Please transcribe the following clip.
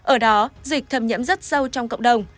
ở đó dịch thẩm nhiễm rất sâu trong cộng đồng